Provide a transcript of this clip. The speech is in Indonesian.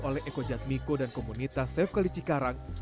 oleh eko jatmiko dan komunitas safe kali cikarang